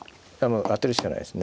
当てるしかないですね。